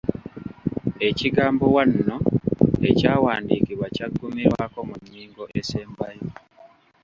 Ekigambo 'wanno' ekyawandiikibwa kyaggumirwako mu nnyingo esembayo